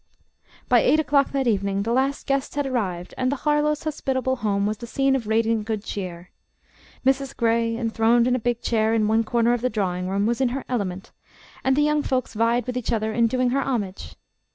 By eight o'clock that evening the last guest had arrived, and the Harlowe's hospitable home was the scene of radiant good cheer. Mrs. Gray, enthroned in a big chair in one corner of the drawing room, was in her element, and the young folks vied with each other in doing her homage.